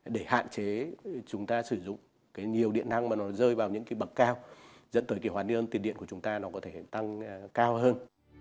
để hạn chế chúng ta sử dụng nhiều điện năng mà nó rơi vào những bậc cao dẫn tới hoàn niên tiền điện của chúng ta nó có thể tăng cao hơn